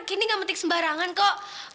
kini gak metik sembarangan kok